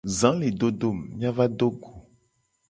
Za le do do mu, mia va do go.